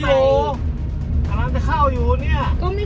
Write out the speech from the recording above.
แหน่ดพูดมาก